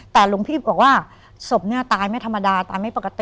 แต่หลวงพี่บอกว่าศพเนี่ยตายไม่ธรรมดาตายไม่ปกติ